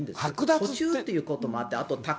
途中ということもあって、あと。